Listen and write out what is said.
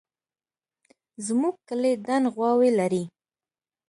زموږ کلی دڼ غواوې لري